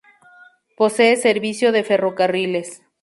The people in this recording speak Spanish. Posee servicio de ferrocarriles.